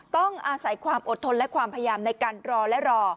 ต้องอาศัยความอดทนและความพยายามในการรอและรอ